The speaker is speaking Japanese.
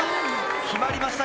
決まりました